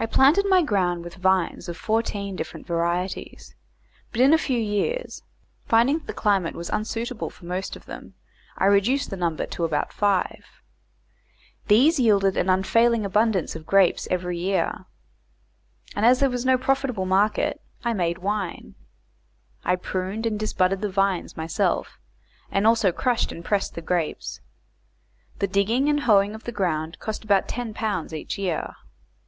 I planted my ground with vines of fourteen different varieties, but, in a few years, finding that the climate was unsuitable for most of them, I reduced the number to about five. These yielded an unfailing abundance of grapes every year, and as there was no profitable market, I made wine. I pruned and disbudded the vines myself, and also crushed and pressed the grapes. The digging and hoeing of the ground cost about 10 pounds each year.